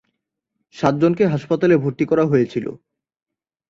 সাত জনকে হাসপাতালে ভর্তি করা হয়েছিল।